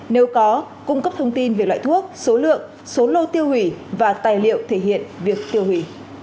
nếu có cung cấp thông tin về loại thuốc số lượng số lô tiêu hủy và tài liệu thể hiện việc tiêu hủy